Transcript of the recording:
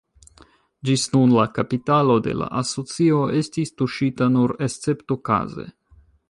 Ĝis nun la kapitalo de la asocio estis tuŝita nur esceptokaze.